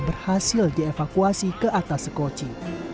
berhasil dievakuasi ke atas sekoci